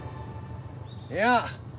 いや。